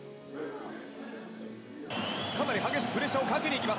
かなり激しくプレッシャーをかけに行きます。